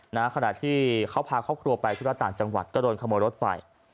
ขณะที่เขาพาครอบครัวไปที่วัดต่างจังหวัดก็โดนขโมยรถไป